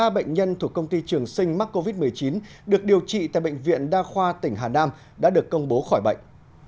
ba bệnh nhân thuộc công ty trường sinh mắc covid một mươi chín được điều trị tại bệnh viện đa khoa tỉnh hà nam đã được công bố khỏi bệnh